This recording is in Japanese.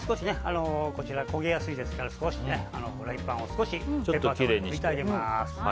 焦げやすいですからフライパンを少し拭いておきます。